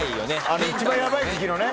あの一番やばい時期のね。